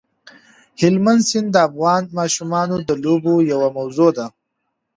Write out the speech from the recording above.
هلمند سیند د افغان ماشومانو د لوبو یوه موضوع ده.